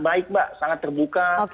baik mbak sangat terbuka